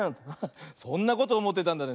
そんなことおもってたんだね。